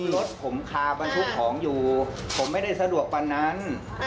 รถผมคาบรรทุกของอยู่ผมไม่ได้สะดวกกว่านั้น